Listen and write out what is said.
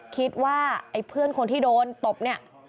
คิดว่าไอ้เพื่อนคนที่โดนตบเนี่ย